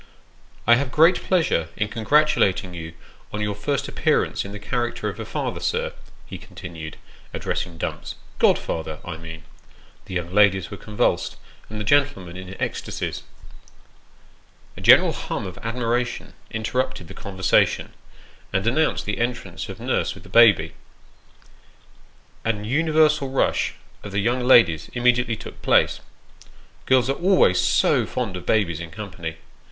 " I have great pleasure in congratulating you on your first appear ance in the character of a father, sir," he continued, addressing Dumps " godfather, I mean." The young ladies were convulsed, and the gentlemen in ecstasies. A general hum of admiration interrupted the conversation, and announced the entrance of nurse with the baby. A universal rush of the young ladies immediately took place. (Girls are always so fond of babies in company.)